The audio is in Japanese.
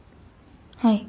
はい。